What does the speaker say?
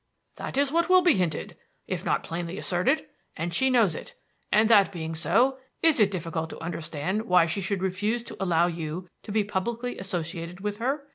"That is what will be hinted, if not plainly asserted; and she knows it. And that being so, is it difficult to understand why she should refuse to allow you to be publicly associated with her?